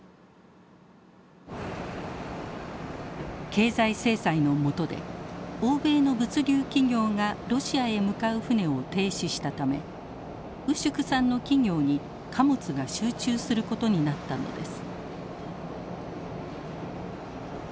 経済制裁のもとで欧米の物流企業がロシアへ向かう船を停止したためウシュクさんの企業に貨物が集中することになったのです。